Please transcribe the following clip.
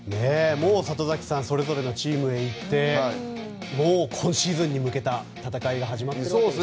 もうそれぞれのチームへいってもう今シーズンに向けた戦いが始まっていますね。